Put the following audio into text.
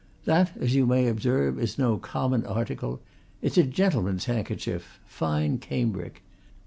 That, as you may observe, is no common article; it's a gentleman's handkerchief fine cambric.